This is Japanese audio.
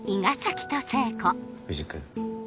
藤君